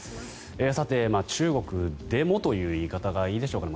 さて、中国でもという言い方がいいでしょうか。